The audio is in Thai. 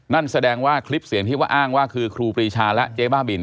นั่นแสดงว่าคลิปเสียงที่ว่าอ้างว่าคือครูปรีชาและเจ๊บ้าบิน